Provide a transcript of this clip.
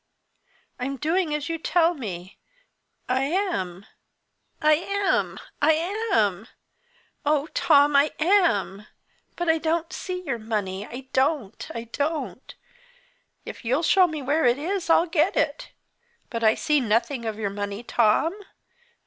I'm doing as you tell me I am I am I am! Oh, Tom, I am! But I don't see your money I don't! I don't! If you'll show me where it is, I'll get it; but I see nothing of your money, Tom!